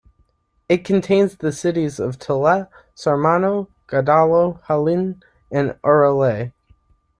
It contains the cites of Taleh, Sarmanyo, Godaalo, Hallin, and Aroley.